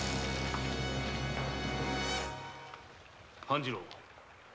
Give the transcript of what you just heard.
半次郎